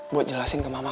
buat jelasin ke mama